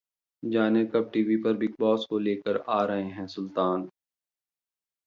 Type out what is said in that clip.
जानें कब टीवी पर 'बिग बॉस' लेकर आ रहे हैं 'सुल्तान'...